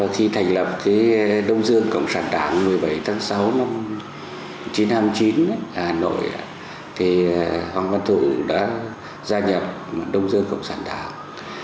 khi thành lập đông dương cộng sản đảng một mươi bảy tháng sáu năm một nghìn chín trăm hai mươi chín hà nội thì hoàng văn thụ đã gia nhập đông dân cộng sản đảng